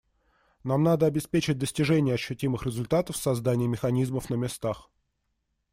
Нам надо обеспечить достижение ощутимых результатов в создании механизмов на местах.